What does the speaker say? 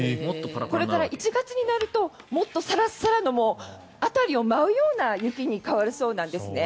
これから１月になるともっとサラサラの辺りを舞うような雪に変わるそうなんです。